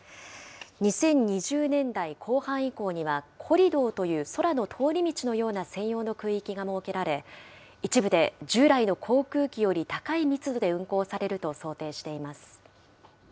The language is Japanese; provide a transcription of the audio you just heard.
２０２０年代後半以降には、コリドーという空の通り道のような専用の空域が設けられ、一部で、従来の航空機より高い密度で運航されると想定しています。